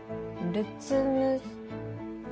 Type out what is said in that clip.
るつむぷ。